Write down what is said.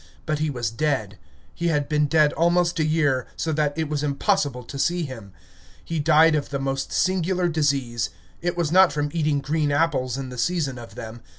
But he was dead. He had been dead almost a year, so that it was impossible to see him. He died of the most singular disease: it was from not eating green apples in the season of them.